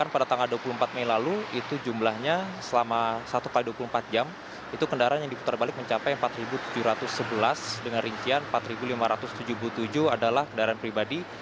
pada tanggal dua puluh empat mei lalu itu jumlahnya selama satu x dua puluh empat jam itu kendaraan yang diputar balik mencapai empat tujuh ratus sebelas dengan rincian empat lima ratus tujuh puluh tujuh adalah kendaraan pribadi